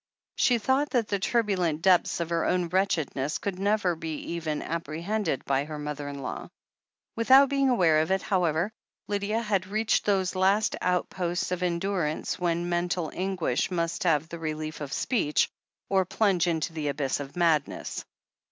She thought that the turbulent depths of her own wretchedness could never be even apprehended by her mother in law. Without being aware of it, however, Lydia had reached those last outposts of endurance when mental anguish must have the relief of speech, or plunge into the abyss of madness.